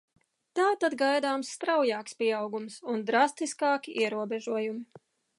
Tātad, gaidāms straujāks pieaugums un drastiskāki ierobežojumi.